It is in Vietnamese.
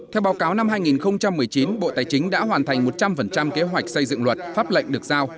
theo báo cáo năm hai nghìn một mươi chín bộ tài chính đã hoàn thành một trăm linh kế hoạch xây dựng luật pháp lệnh được giao